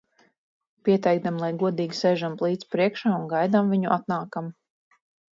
Pieteikdama, lai godīgi sēžam plīts priekšā un gaidām viņu atnākam.